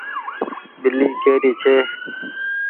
ٻلي ڪي ري ڇي۔